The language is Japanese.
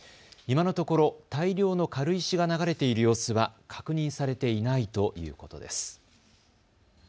今のところ大量の軽石が流れている様子は確認されていないということです。